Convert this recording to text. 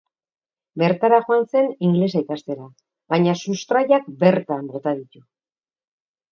Bertara joan zen, inglesa ikastera, baina sustraiak bertan bota ditu.